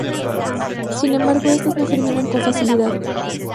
Sin embargo, estas no germinan con facilidad.